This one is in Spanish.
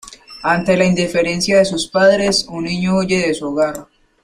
Ante la indiferencia de sus padres un niño huye de su hogar.